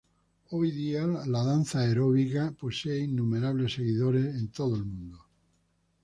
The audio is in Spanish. Hoy día la danza aeróbica posee innumerables seguidores en todo el mundo.